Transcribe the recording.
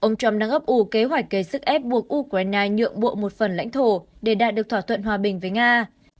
ông trump đang ấp ủ kế hoạch gây sức ép buộc ukraine nhượng bộ một phần lãnh thổ để đạt được thỏa thuận hòa bình với nga